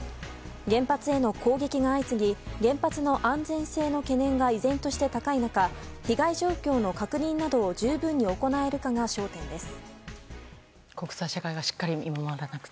原発への攻撃が相次ぎ原発の安全性の懸念が依然として高い中被害状況の確認などを十分に行えるかが焦点です。